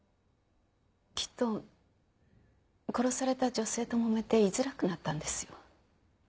きっと殺された女性と揉めて居づらくなったんですよ。